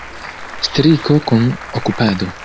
Striko kun okupado.